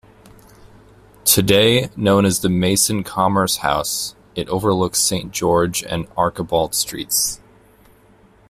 Today known as the Maison Commerce House, it overlooks Saint George and Archibald Streets.